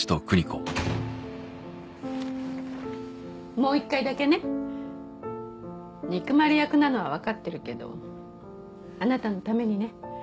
もう一回だけね憎まれ役なのはわかってるけどあなたのためにね